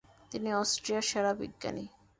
তিনি অস্ট্রিয়ার সেরা বিজ্ঞানী।